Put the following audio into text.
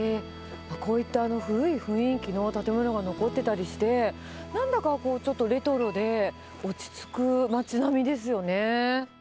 こういった古い雰囲気の建物が残ってたりして、なんだか、ちょっとレトロで、落ち着く町並みですよね。